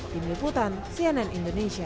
tim liputan cnn indonesia